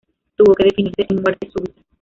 Tuvo que definirse en muerte súbita.